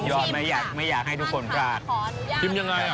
ชิมอย่างไร